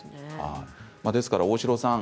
ですから大城さん